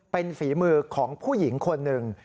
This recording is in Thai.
เป็นฝีมือของผู้หญิงคนหนึ่ง